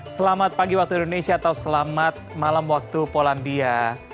selamat pagi waktu indonesia atau selamat malam waktu polandia